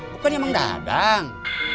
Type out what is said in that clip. bukannya emang dadang